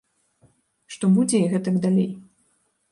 Што будзе і гэтак далей.